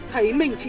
thấy mình chết